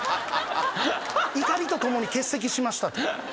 怒りとともに欠席しましたと。